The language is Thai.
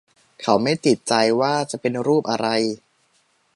เขาไม่ติดใจว่าจะเป็นรูปอะไร